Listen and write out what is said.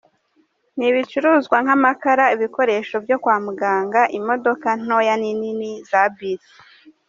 Ni ibicuruzwa nk'amakara, ibikoresho byo kwa muganga, imodoka ntoya n'inini za bisi.